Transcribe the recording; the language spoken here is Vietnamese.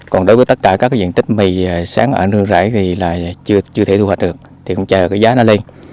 còn đối với tất cả các diện tích mì sáng ở nương rãi thì là chưa thể thu hoạch được thì không chờ cái giá nó lên